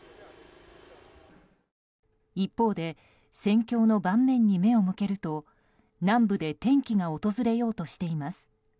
一方で戦況の盤面に目を向けると南部で転機が訪れようとしています。